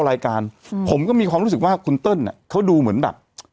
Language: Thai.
รายการอืมผมก็มีความรู้สึกว่าคุณเติ้ลอ่ะเขาดูเหมือนแบบ